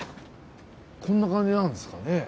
こんな感じなんですかね。